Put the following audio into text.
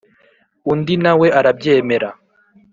undi nawe arabyemera.